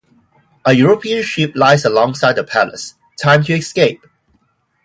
A European ship lies alongside the palace: time to escape!